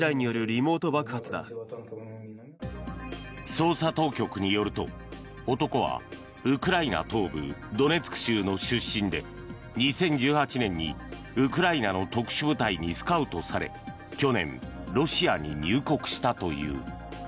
捜査当局によると、男はウクライナ東部ドネツク州の出身で２０１８年にウクライナの特殊部隊にスカウトされ去年、ロシアに入国したという。